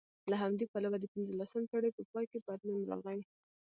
له همدې پلوه د پنځلسمې پېړۍ په پای کې بدلون راغی